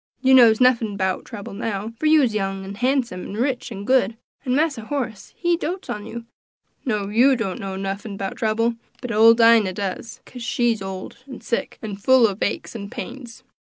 You knows nuffin 'bout trouble now, for you's young, an' handsome, an' rich, an' good; an' Massa Horace, he doats on you; no, you knows nuffin 'bout trouble, but ole Dinah does, kase she's ole, an' sick, an' full ob aches and pains."